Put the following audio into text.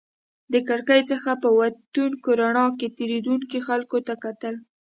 د کړکۍ څخه په وتونکې رڼا کې تېرېدونکو خلکو ته کتل.